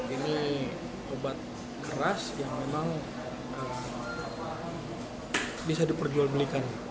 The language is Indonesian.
ini obat keras yang memang bisa diperjualbelikan